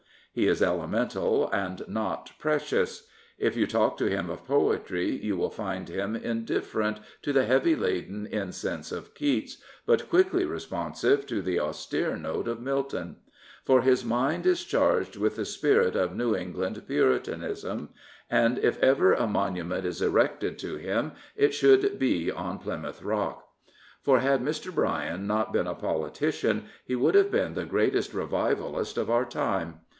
He is elemental and not " precious." If you talk to him of poetry you will find him indifferent to the heavy laden incense of Keats, but quickly responsive to the au^ere note of Milton. For his mind is charged with the spirit of New England Puritanism, and if 300 William Jennings Bryan ever a monument is erected to him it should be on Plymouth Rock. For had Mr. Bryan not been a politician, he would have been the greatest reviyaflist of our time.